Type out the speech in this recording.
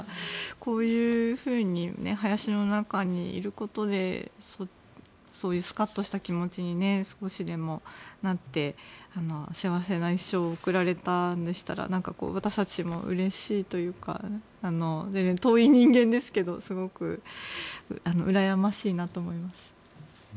こういうふうに林の中にいることでそういうスカッとした気持ちに少しでもなって幸せな一生を送られたんでしたら私たちもうれしいというか全然遠い人間ですけどすごくうらやましいなと思います。